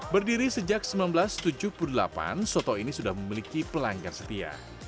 berdiri sejak seribu sembilan ratus tujuh puluh delapan soto ini sudah memiliki pelanggar setia